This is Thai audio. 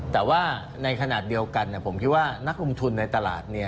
แต่ว่าในขณะเดียวกันผมคิดว่านักลงทุนในตลาด